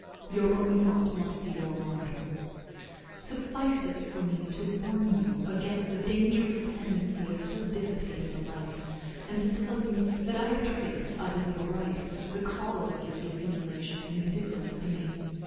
Your own heart must be your monitor. Suffice it for me to warn you against the dangerous tendency of so dissipated a life, and to tell you that I have traced (I believe aright) the cause of your dissimulation and indifference to me.